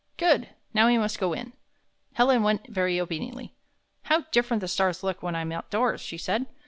''Good! Now we must go in." Helen went very obediently. "How different the stars look when I'm outdoors!" she said.